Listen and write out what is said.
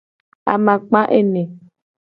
Amakpa ene.